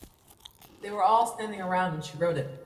They were all standing around when she wrote it.